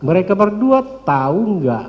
mereka berdua tau gak